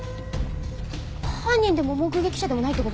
犯人でも目撃者でもないって事ですか？